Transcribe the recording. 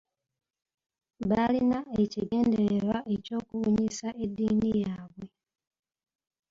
Baalina ekigendererwa eky’okubunyisa eddiini yaabwe.